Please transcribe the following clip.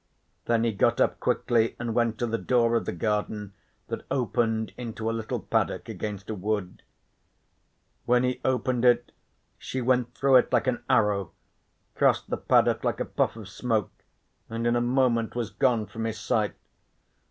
Then he got up quickly and went to the door of the garden that opened into a little paddock against a wood. When he opened it she went through it like an arrow, crossed the paddock like a puff of smoke and in a moment was gone from his sight.